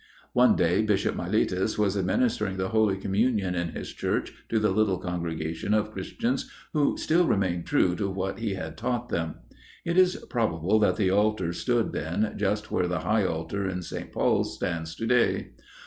One day Bishop Milletus was administering the Holy Communion in his church to the little congregation of Christians who still remained true to what he had taught them. It is probable that the altar stood then just where the high altar in St. Paul's stands to day.